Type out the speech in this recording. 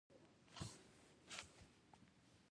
دا زیاتوالی د کتابونو له امله و.